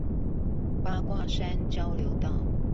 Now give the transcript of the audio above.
八卦山交流道